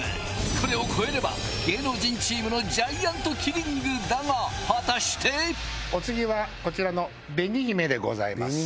これを超えれば芸能人チームのジャイアントキリングだが果たして⁉お次はこちらの「紅姫」でございます